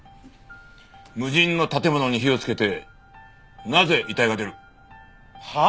無人の建物に火をつけてなぜ遺体が出る？はあ？